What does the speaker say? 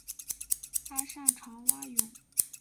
他擅长蛙泳。